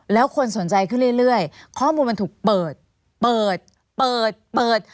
แล้วคนสนใจขึ้นเรื่อยข้อมูลมันถูกเปิด